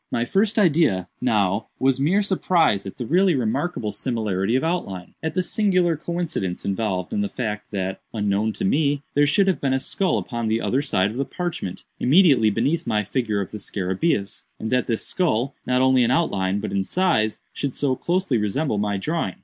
My first idea, now, was mere surprise at the really remarkable similarity of outline—at the singular coincidence involved in the fact, that unknown to me, there should have been a skull upon the other side of the parchment, immediately beneath my figure of the scarabæus, and that this skull, not only in outline, but in size, should so closely resemble my drawing.